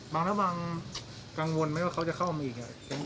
บางแล้วบางกังวลไหมว่าเขาจะเข้ามาอีก